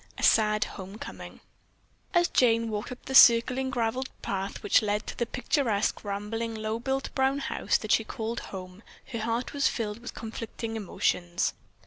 A SAD HOMECOMING As Jane walked up the circling graveled path which led to the picturesque, rambling, low built brown house that she called home her heart was filled with conflicting emotions.